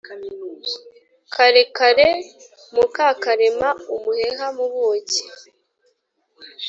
Karekare Mukakarema-Umuheha mu buki.